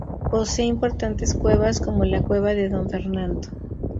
Posee importantes cuevas, como la Cueva de Don Fernando.